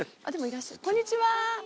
こんにちは。